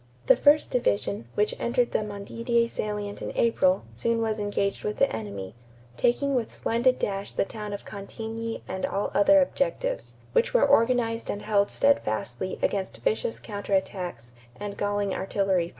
The first division, which entered the Montdidier salient in April, soon was engaged with the enemy, "taking with splendid dash the town of Cantigny and all other objectives, which were organized and held steadfastly against vicious counter attacks and galling artillery fire."